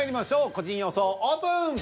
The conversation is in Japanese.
個人予想オープン！